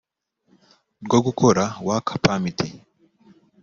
rwo gukora work permit